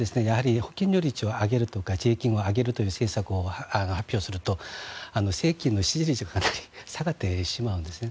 保険料率を上げるとか税金を上げる政策を発表すると政権の支持率が下がってしまうんですね。